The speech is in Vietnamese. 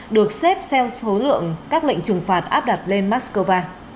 được xếp theo số lượng các lệnh trừng phạt áp đặt lên moscow